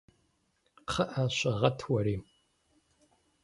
КхъыӀэ, щыгъэт уэри!